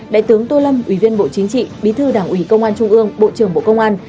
đại tướng tô lâm ủy viên bộ chính trị bí thư đảng ủy công an trung ương bộ trưởng bộ công an